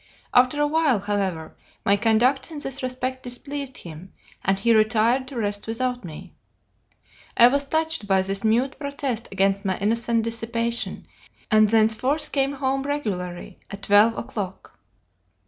After a while, however, my conduct in this respect displeased him, and he retired to rest without me. I was touched by this mute protest against my innocent dissipation, and thenceforth came home regularly at twelve o'clock.